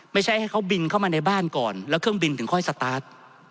ให้เขาบินเข้ามาในบ้านก่อนแล้วเครื่องบินถึงค่อยสตาร์ท